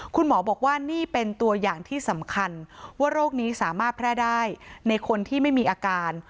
คุณหมอบอกว่านี่เป็นตัวอย่างที่สำคัญว่าโรคนี้สามารถแพร่ได้ในคนที่ไม่มีอาการ